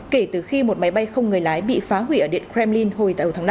kể từ khi một máy bay không người lái bị phá hủy ở điện kremlin hồi tại hồi tháng năm